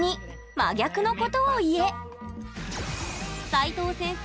齋藤先生